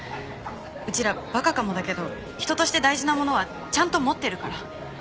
うちら馬鹿かもだけど人として大事なものはちゃんと持ってるから。